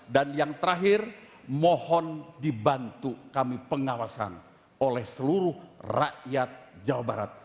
dan yang terakhir mohon dibantu kami pengawasan oleh seluruh rakyat jawa barat